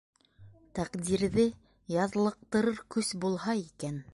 Тәҡдирҙе яҙлыҡтырыр көс булһа икән...